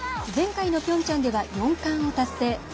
前回のピョンチャンでは４冠を達成。